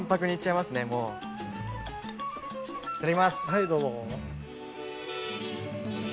はいどうぞ。